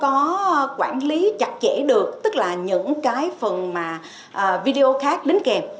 không có quản lý chặt chẽ được tức là những cái phần mà video khác đến kèm